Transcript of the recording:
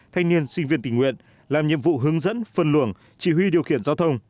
thanh niên sinh viên tình nguyện làm nhiệm vụ hướng dẫn phân luồng chỉ huy điều khiển giao thông